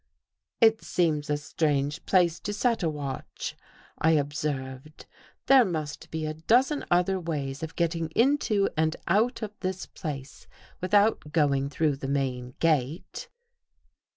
|" It seems a strange place to set a watch," I ob i served. " There must be a dozen other ways of j getting into and out of this place without going ■ through the main gate."